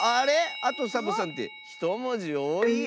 「あとサボさん」って１もじおおいよ。